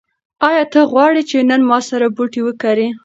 ایا ته غواړې چې نن ما سره بوټي وکرې؟